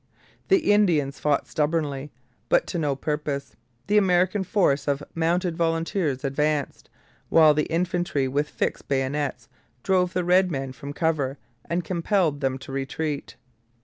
The Indians fought stubbornly, but to no purpose. The American force of mounted volunteers advanced, while the infantry with fixed bayonets drove the red men from cover and compelled them to retreat.